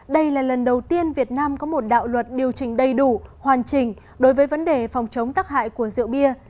đây là lần đầu tiên việt nam có một đạo luật điều chỉnh đầy đủ hoàn chỉnh đối với vấn đề phòng chống tắc hại của rượu bia